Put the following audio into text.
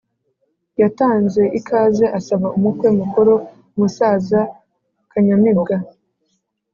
yatanze ikaze asaba umukwe mukuru(umusaza kanyamibwa)